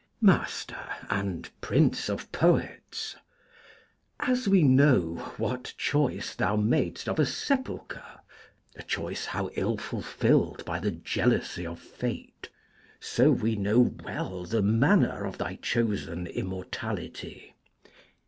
Master and Prince of Poets, As we know what choice thou madest of a sepulchre (a choice how ill fulfilled by the jealousy of Fate), so we know well the manner of thy chosen immortality.